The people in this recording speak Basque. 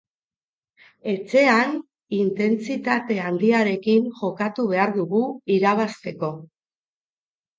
Etxean intentsitate handiarekin jokatu behar dugu irabazteko.